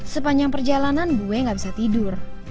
sepanjang perjalanan gue gak bisa tidur